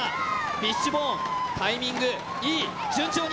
フィッシュボーンタイミングいい、順調に。